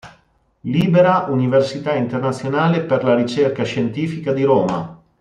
Libera Università Internazionale per la Ricerca Scientifica di Roma.